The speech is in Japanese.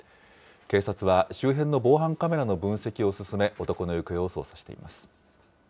警察は周辺の防犯カメラの分析を進め、男の行方を捜査しています。